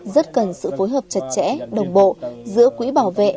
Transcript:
rất cần sự phối hợp chặt chẽ đồng bộ giữa quỹ bảo vệ